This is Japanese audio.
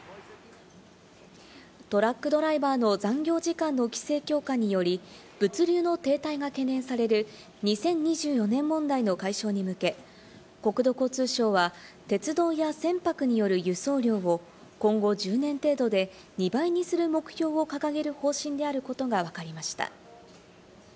トラックドライバーの残業時間の規制強化により、物流の停滞が懸念される２０２４年問題の解消に向け、国土交通省は鉄道や船舶による輸送量を今後１０年程度で２倍にする目標を掲げる方針であることがわかりました。